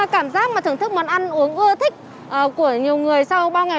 có thời gian thì thông báo rất là gấp cho nên là mình không kịp chuẩn bị